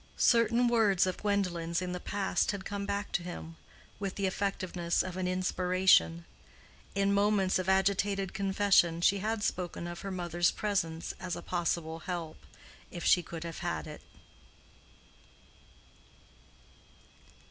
Certain words of Gwendolen's in the past had come back to him with the effectiveness of an inspiration: in moments of agitated confession she had spoken of her mother's presence, as a possible help, if she could have had it.